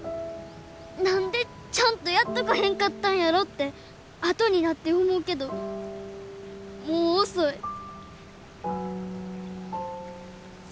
何でちゃんとやっとかへんかったんやろってあとになって思うけどもう遅い。